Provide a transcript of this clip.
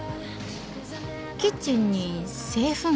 キッチンに製粉機が。